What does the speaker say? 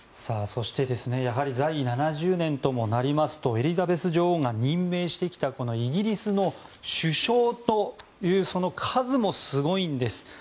そして、やはり在位７０年ともなりますとエリザベス女王が任命してきたイギリスの首相というその数もすごいんです。